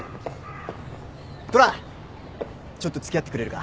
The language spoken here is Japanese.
虎ちょっと付き合ってくれるか？